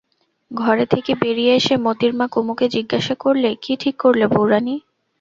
ঘরে থেকে বেরিয়ে এসে মোতির মা কুমুকে জিজ্ঞাসা করলে, কী ঠিক করলে বউরানী?